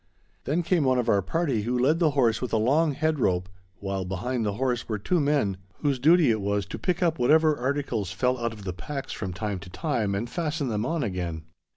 Then came one of our party who led the horse with a long head rope, while behind the horse were two men whose duty it was to pick up whatever articles fell out of the packs from time to time, and fasten them on again.